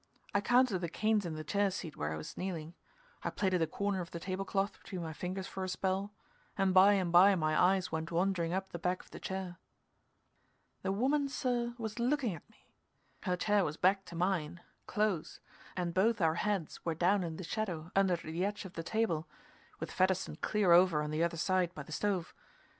I counted the canes in the chair seat where I was kneeling; I plaited a corner of the table cloth between my fingers for a spell, and by and by my eyes went wandering up the back of the chair. The woman, sir, was looking at me. Her chair was back to mine, close, and both our heads were down in the shadow under the edge of the table, with Fedderson clear over on the other side by the stove.